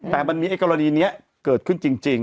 แต่มันมีกรณีนี้เกิดขึ้นจริง